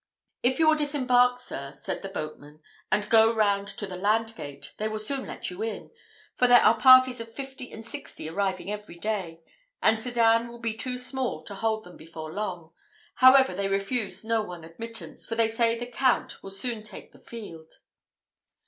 "If you will disembark, sir," said the boatman, "and go round to the land gate, they will soon let you in; for there are parties of fifty and sixty arriving every day; and Sedan will be too small to hold them before long. However, they refuse no one admittance, for they say the Count will soon take the field."